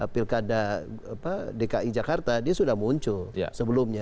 pilkada dki jakarta dia sudah muncul sebelumnya